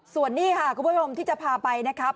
ส่วนนี้ค่ะคุณผู้ชมที่จะพาไปนะครับ